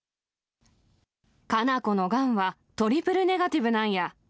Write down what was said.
カナコのがんはトリプルネガティブなんや。